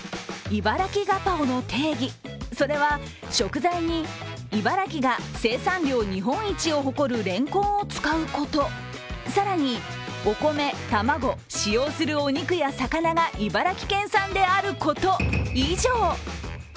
いばらきガパオの定義、それは食材に茨城が生産量日本一を誇るれんこんを使うこと、更にお米、卵、使用するお肉や魚が茨城県産であること、以上。